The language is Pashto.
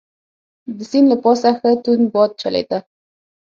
د سیند له پاسه ښه توند باد چلیده.